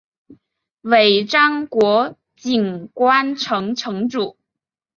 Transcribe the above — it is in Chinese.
尾张国井关城城主。